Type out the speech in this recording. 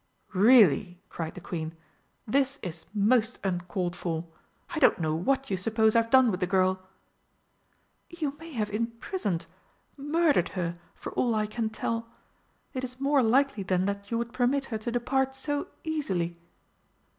"Really!" cried the Queen, "this is most uncalled for! I don't know what you suppose I've done with the girl?" "You may have imprisoned murdered her, for all I can tell. It is more likely than that you would permit her to depart so easily."